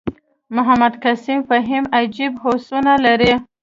محمد قسیم فهیم عجیب هوسونه لري.